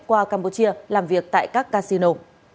qua campuchia làm việc tại các casino